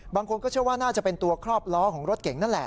บางคนก็เชื่อว่าน่าจะเป็นตัวครอบล้อของรถเก่งนั่นแหละ